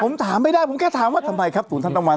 ผมถามไม่ได้ผมแค่ถามว่าทำไมครับศูนย์ท่านตะวัน